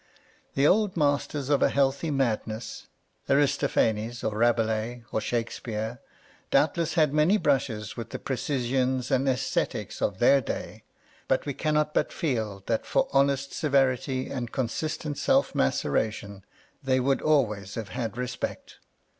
The old masters of a healthy madness, Aristophanes or Rabelais or Shakespeare, doubtless had many brushes with the pre cisians or ascetics of their day, but we cannot but feel that for honest severity and consistent self maceration they would always have had respect.